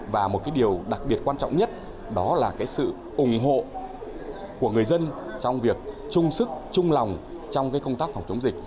và một điều đặc biệt quan trọng nhất đó là sự ủng hộ của người dân trong việc chung sức chung lòng trong công tác phòng chống dịch